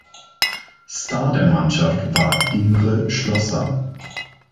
Star der Mannschaft war Imre Schlosser.